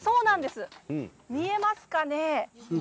見えますか？